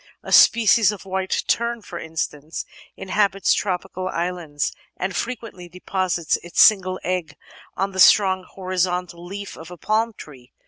A species of White Tern, for instance, inhabits tropical islands and frequently deposits its single egg on the strong horizontal leaf of a palm tree.